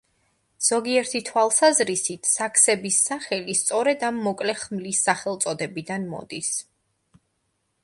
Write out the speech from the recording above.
ზოგიერთი თვალსაზრისით, „საქსების“ სახელი სწორედ ამ მოკლე ხმლის სახელწოდებიდან მოდის.